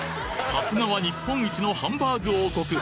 さすがは日本一のハンバーグ王国！